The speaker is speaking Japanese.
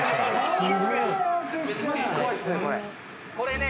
これね。